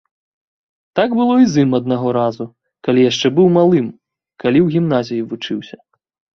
Так было з ім аднаго разу, калі яшчэ быў малым, каліў гімназіі вучыўся.